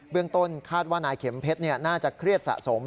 ต้นคาดว่านายเข็มเพชรน่าจะเครียดสะสม